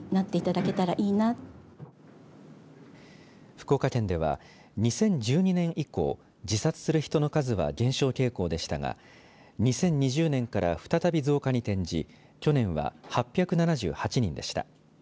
福岡県では２０１２年以降自殺する人の数は減少傾向でしたが２０２０年から再び増加に転じ去年は８７８人でした。